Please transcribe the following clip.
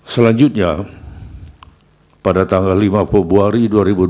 selanjutnya pada tanggal lima februari dua ribu dua puluh